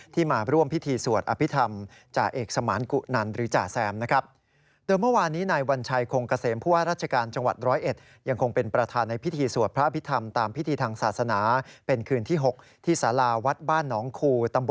ที่มาร่วมพิธีสวดอภิษฐรรมจาเอกสมานกุนั้นหรือจาแซม